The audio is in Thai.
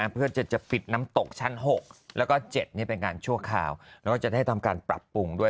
เพื่อจะปิดน้ำตกชั้น๖แล้วก็๗เป็นการชั่วคราวแล้วก็จะได้ทำการปรับปรุงด้วย